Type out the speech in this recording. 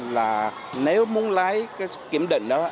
là nếu muốn lấy kiểm định đó